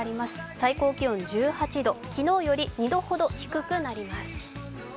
最高気温１８度、昨日より２度ほど低くなります。